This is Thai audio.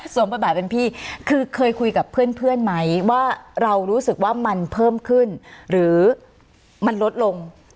บทบาทเป็นพี่คือเคยคุยกับเพื่อนไหมว่าเรารู้สึกว่ามันเพิ่มขึ้นหรือมันลดลง